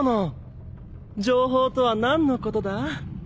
情報とは何のことだ？